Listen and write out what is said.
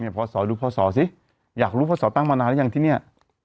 เนี่ยพ่อสอดูพ่อสอสิอยากรู้พ่อสอตั้งมานานแล้วยังที่เนี่ย